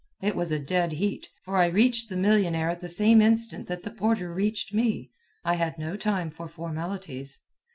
It was a dead heat, for I reached the millionnaire at the same instant that the porter reached me. I had no time for formalities.